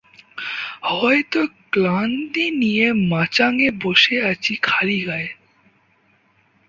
হয়তো ক্লান্তি নিয়ে মাচাঙে বসে আছি খালিগায়ে।